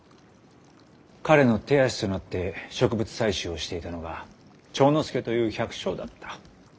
彼の手足となって植物採集をしていたのが長之助という百姓だった。